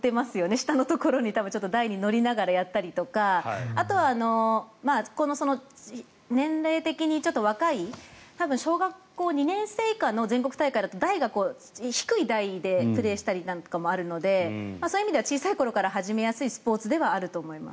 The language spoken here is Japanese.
下のところ台に乗りながらやったりとかあとは、年齢的に若い小学校２年生以下の全国大会だと、台が低い台でプレーしたりなんかもあるのでそういう意味では小さい頃から始めやすいスポーツではあると思います。